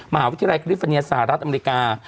มหาวิทยาลัยคลิฟอร์เนียสหรัฐอเมริกา